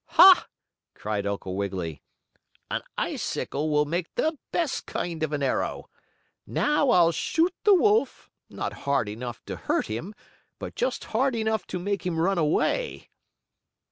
"Ha!" cried Uncle Wiggily. "An icicle will make the best kind of an arrow! Now I'll shoot the wolf, not hard enough to hurt him, but just hard enough to make him run away."